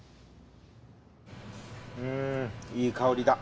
うーんいい香りだ。